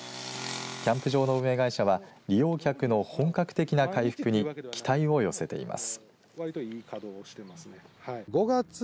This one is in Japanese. キャンプ場の運営会社は利用客の本格的な回復に期待を寄せています。